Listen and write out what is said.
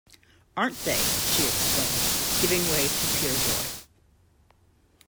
“Aren’t they!” she exclaimed, giving way to pure joy.